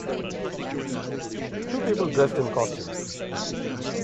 Two people dressed in costumes.